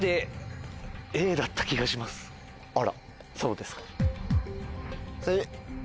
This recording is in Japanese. あらそうですか。